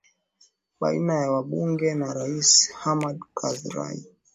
baina ya wabunge na rais hamid karzai